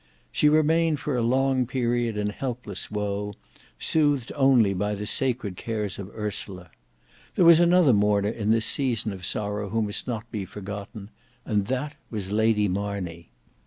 She remained for a long period in helpless woe, soothed only by the sacred cares of Ursula. There was another mourner in this season of sorrow who must not be forgotten; and that was Lady Marney.